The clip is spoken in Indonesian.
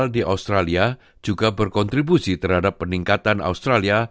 di australia juga berkontribusi terhadap peningkatan australia